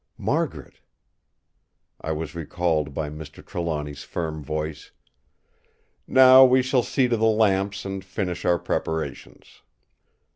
Margaret...! I was recalled by Mr. Trelawny's firm voice: "Now we shall see to the lamps and finish our preparations."